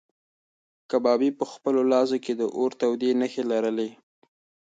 کبابي په خپلو لاسو کې د اور تودې نښې لرلې.